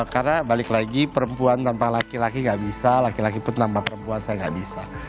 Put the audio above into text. karena balik lagi perempuan tanpa laki laki enggak bisa laki laki pun tanpa perempuan saya enggak bisa